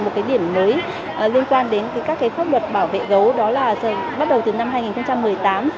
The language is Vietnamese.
một cái điểm mới liên quan đến các cái pháp luật bảo vệ gấu đó là bắt đầu từ năm hai nghìn một mươi tám